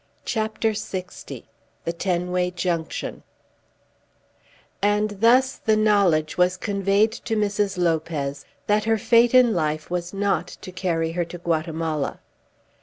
CHAPTER LX The Tenway Junction And thus the knowledge was conveyed to Mrs. Lopez that her fate in life was not to carry her to Guatemala.